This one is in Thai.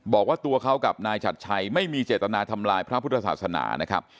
บอกว่าตัวเขากับนายชัดชัยไม่มีเจตนาทำลายพระพุทธศาสนานะครับ